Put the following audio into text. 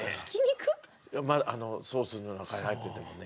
ソースの中に入っててもね。